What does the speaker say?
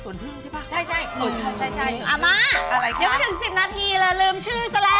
เดี๋ยวก็ถึง๑๐นาทีแล้วลืมชื่อซะแล้ว